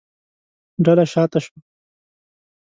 ډله شا ته شوه.